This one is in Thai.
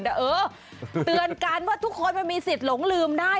แต่เออเตือนกันว่าทุกคนมันมีสิทธิ์หลงลืมได้